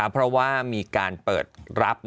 เพราะว่ามีการเปิดรับ